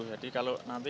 jadi kalau nanti